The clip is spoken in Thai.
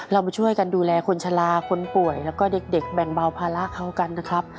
เรามาช่วยกันดูแลคนชะลาคนป่วยแล้วก็เด็กแบ่งเบาภาระเขากันนะครับ